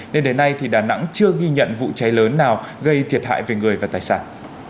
nên đến nay đà nẵng chưa ghi nhận vụ cháy lớn nào gây thiệt hại về người và tài sản